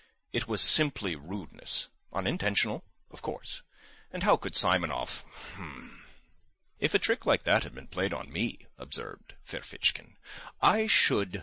It was simply rudeness—unintentional, of course. And how could Simonov ... h'm!" "If a trick like that had been played on me," observed Ferfitchkin, "I should